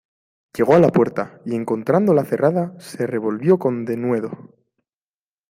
llegó a la puerta, y encontrándola cerrada , se revolvió con denuedo.